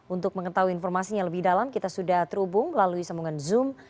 untuk mengetahui informasinya lebih dalam kita sudah terhubung melalui sambungan zoom